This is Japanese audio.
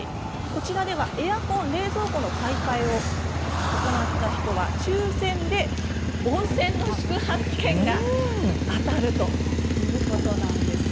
こちらではエアコンと冷蔵庫の買い替えを行った人は抽せんで温泉の宿泊券が当たるんです。